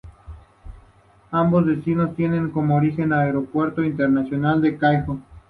Ambos destinos tienen como origen el Aeropuerto Internacional de El Cairo.